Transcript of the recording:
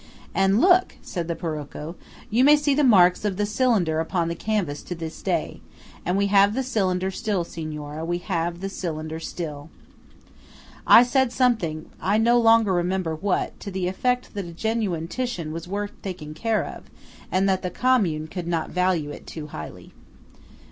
"And look!" said the Parocco, "you may see the marks of the cylinder upon the canvas to this day. And we have the cylinder still, Signora–we have the cylinder still!" I said something, I no longer remember what, to the effect that a genuine Titian was worth taking care of, and that the Commune could not value it too highly.